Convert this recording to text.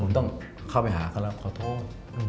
ผมต้องเข้าไปหาเขาแล้วขอโทษ